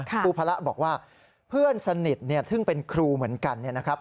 ครูพระบอกว่าเพื่อนสนิทซึ่งเป็นครูเหมือนกันนะครับ